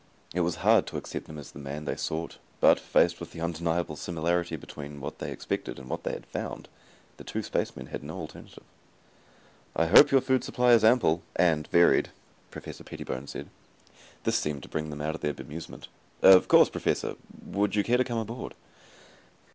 It was hard to accept him as the man they sought, but, faced with undeniable similarity between what they expected and what they had found, the two spacemen had no alternative. "I hope your food supply is ample and varied," Professor Pettibone said. This seemed to bring them out of their bemusement. "Of course, Professor. Would you care to come aboard?"